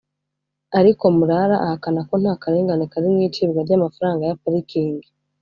Ariko Murara ahakana ko nta karengane kari mu icibwa ry’amafaranga ya parikingi